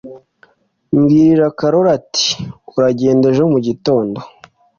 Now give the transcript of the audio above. mbwirira karori ati: “uragenda ejo mu gitondo”.